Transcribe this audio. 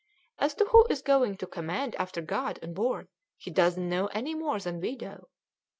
As to who is going to command after God on board he doesn't know any more than we do.